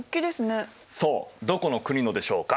そうどこの国のでしょうか？